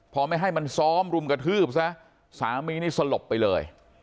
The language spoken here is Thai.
พอไม่ให้มันซ้อมรุมกระทืบซะสามีนี่สลบไปเลย